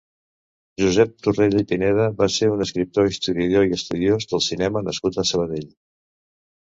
Josep Torrella i Pineda va ser un escriptor, historiador i estudiós del cinema nascut a Sabadell.